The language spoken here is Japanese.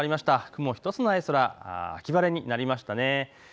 雲一つない空、秋晴れになりましたね。